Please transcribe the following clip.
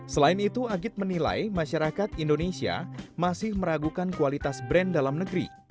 selain itu agit menilai masyarakat indonesia masih meragukan kualitas brand dalam negeri